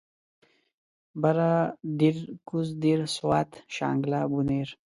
بره دير کوزه دير سوات شانګله بونير